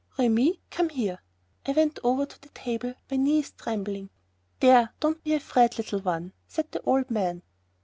"Remi, come here." I went over to the table, my knees trembling. "There, don't be afraid, little one," said the old man.